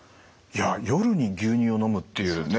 いや夜に牛乳を飲むっていうね